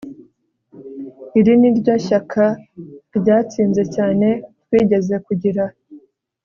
Iri niryo shyaka ryatsinze cyane twigeze kugira